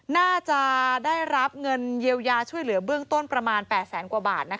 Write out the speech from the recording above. น่าจะได้รับเงินเยียวยาช่วยเหลือเบื้องต้นประมาณ๘แสนกว่าบาท